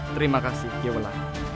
terima kasih kiwala